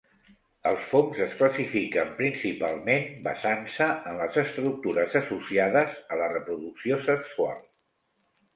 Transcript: Els fongs es classifiquen principalment basant-se en les estructures associades a la reproducció sexual.